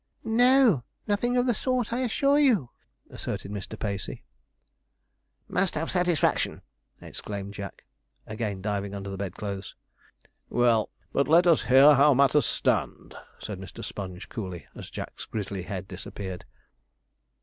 'No; nothing of the sort, I assure you,' asserted Mr. Pacey. 'Must have satisfaction!' exclaimed Jack, again diving under the bedclothes. 'Well, but let us hear how matters stand,' said Mr. Sponge coolly, as Jack's grizzly head disappeared.